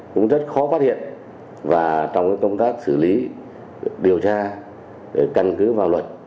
cũng rất khó phát hiện và trong công tác xử lý điều tra căn cứ vào luật